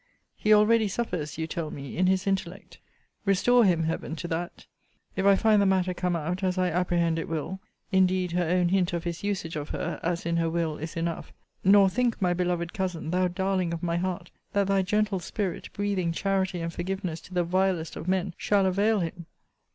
He already suffers, you tell me, in his intellect. Restore him, Heaven, to that If I find the matter come out, as I apprehend it will indeed her own hint of his usage of her, as in her will, is enough nor think, my beloved cousin, thou darling of my heart! that thy gentle spirit, breathing charity and forgiveness to the vilest of men, shall avail him!